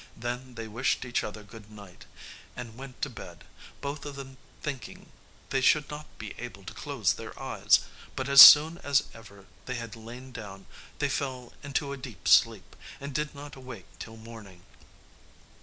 Then they wished each other good night and went to bed, both of them thinking they should not be able to close their eyes; but as soon as ever they had lain down they fell into a deep sleep, and did not awake till morning.